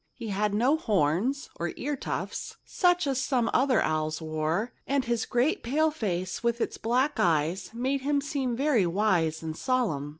He had no "horns," or ear tufts, such as some of the other owls wore; and his great pale face, with its black eyes, made him seem very wise and solemn.